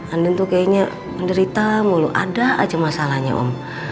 andin tuh kayaknya menderita mulu ada aja masalahnya om